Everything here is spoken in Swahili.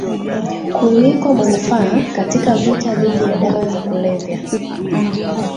kuliko manufaa katika vita dhidi ya dawa za kulevya